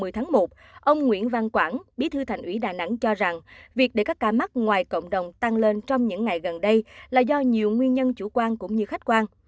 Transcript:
một mươi tháng một ông nguyễn văn quảng bí thư thành ủy đà nẵng cho rằng việc để các ca mắc ngoài cộng đồng tăng lên trong những ngày gần đây là do nhiều nguyên nhân chủ quan cũng như khách quan